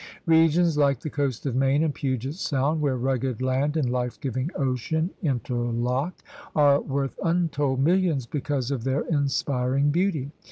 Regions like the coast of Maine and Puget Sound, where rugged land and life giving ocean in terlock, are worth untold millions because of their inspiring beauty.